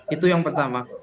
itu yang pertama